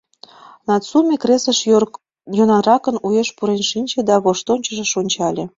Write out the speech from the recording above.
— Нацуме креслыш йӧнанракын уэш пурен шинче да воштончышыш ончале.